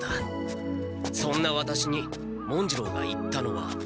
そんなワタシに文次郎が言ったのは。